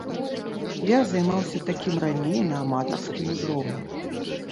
Я займаўся такім раней на аматарскім узроўні.